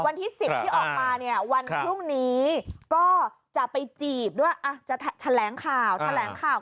วันที่๑๐ที่ออกมาเนี่ยวันพรุ่งนี้ก็จะไปจีบด้วยจะแถลงข่าวแถลงข่าว